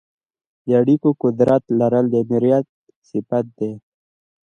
د اړیکو قدرت لرل د آمریت صفت دی.